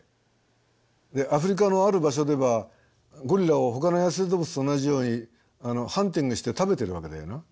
アフリカのある場所ではゴリラをほかの野生動物と同じようにハンティングして食べてるわけだよな。